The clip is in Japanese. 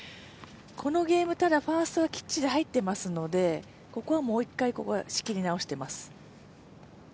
このゲーム、ただ、ファーストはきっちり入っていますので、ここはもう一回仕切り直してます。